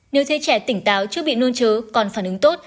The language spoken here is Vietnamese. nếu thế trẻ tỉnh táo trước bị nôn chớ còn phản ứng tốt